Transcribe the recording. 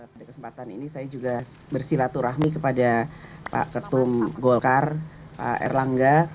pada kesempatan ini saya juga bersilaturahmi kepada pak ketum golkar pak erlangga